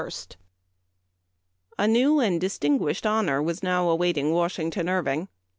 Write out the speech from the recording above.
A NEW and distinguished honor was now £* awaiting Washington Irving.